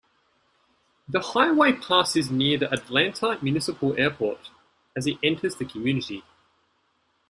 The highway passes near the Atlanta Municipal Airport as it enters the community.